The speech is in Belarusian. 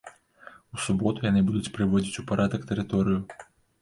У суботу яны будуць прыводзіць у парадак тэрыторыю.